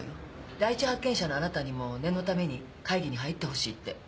第一発見者のあなたにも念のために会議に入ってほしいって。